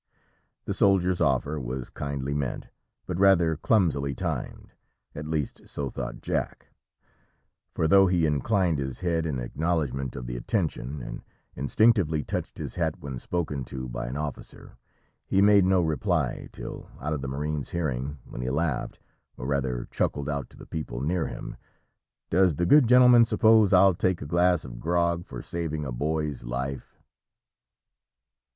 The soldier's offer was kindly meant, but rather clumsily timed, at least so thought Jack: for though he inclined his head in acknowledgment of the attention, and instinctively touched his hat when spoken to by an officer, he made no reply till out of the marine's hearing, when he laughed, or rather chuckled out to the people near him, "Does the good gentleman suppose I'll take a glass of grog for saving a boy's life."